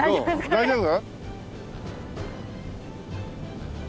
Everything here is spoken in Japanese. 大丈夫？